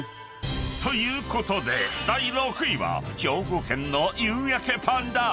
［ということで第６位は兵庫県の夕焼けパンダ］